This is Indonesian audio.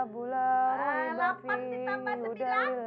berdoa minta rejeki